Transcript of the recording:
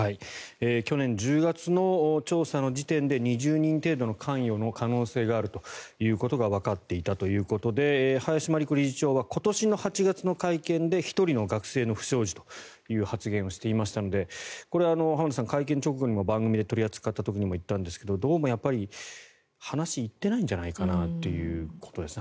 去年１０月の調査の時点で２０人程度の関与の可能性があるということがわかっていたということで林真理子理事長は今年の８月の会見で１人の学生の不祥事という発言をしていましたので浜田さん、会見直後にも番組が取り扱った時に言ったんですがどうもやっぱり話が行っていないんじゃないかなということですね。